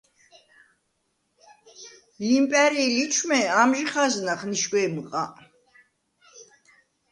ლიმპა̈რი̄ ლიჩვმე ამჟი ხაზნახ ნიშგვეჲმჷყ-ა: